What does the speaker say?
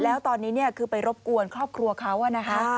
แล้วตอนนี้คือไปรบกวนครอบครัวเขานะคะ